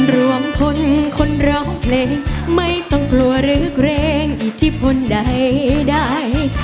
รวมพลคนร้องเพลงไม่ต้องกลัวหรือเกรงอิทธิพลใด